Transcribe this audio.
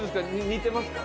似てますか？